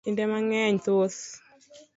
Kinde mang'eny thoth